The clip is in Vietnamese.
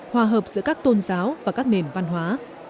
hòa hợp giữa các tôn giáo và các nền văn hóa